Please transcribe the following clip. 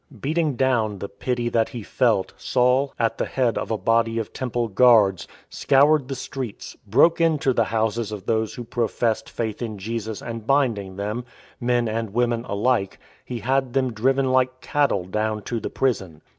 Beating down the pity that he felt, Saul, at the head of a body of Temple Guards, scoured the streets, broke into the houses of those who professed faith in Jesus and binding them — men and women alike — he had them driven like cattle down to the prison.